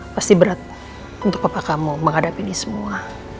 pasti berat untuk bapak kamu menghadapi ini semua